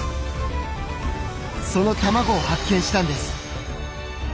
その卵を発見したんです。